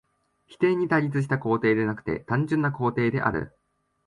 否定に対立した肯定でなくて単純な肯定である。